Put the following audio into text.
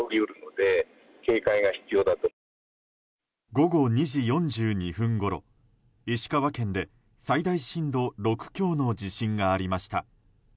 午後２時４２分ごろ石川県で最大震度６強の地震がありました。